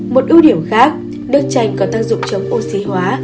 một ưu điểm khác nước chanh có tác dụng chống oxy hóa